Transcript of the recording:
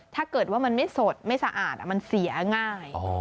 ถ้าเกิดว่ามันไม่สดไม่สะอาดมันเสียง่าย